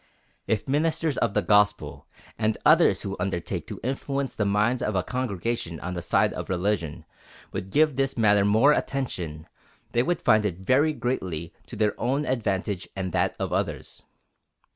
If ministers of the gospel, and others who undertake to influence the minds of a congregation on the side of religion, would give this matter more attention, they would find it very greatly to their own advantage and that of others.